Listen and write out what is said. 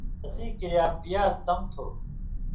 تسیں کریا پیاز سم تُھو۔